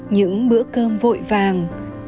những bữa cơm vội vàng